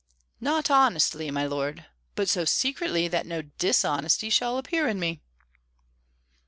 "Not honestly, my lord, but so secretly that no dishonesty shall appear in me."